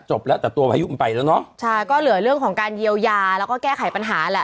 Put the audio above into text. จบแล้วแต่ตัวพายุมันไปแล้วเนอะใช่ก็เหลือเรื่องของการเยียวยาแล้วก็แก้ไขปัญหาแหละ